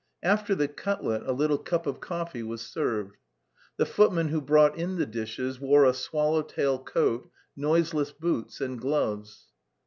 After the cutlet a little cup of coffee was served. The footman who brought in the dishes wore a swallow tail coat, noiseless boots, and gloves.